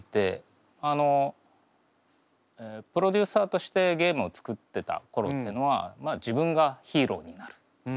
あのプロデューサーとしてゲームを作ってた頃っていうのはまあ自分がヒーローになる。